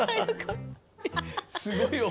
すごいよ。